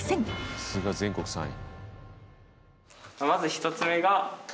さすが全国３位。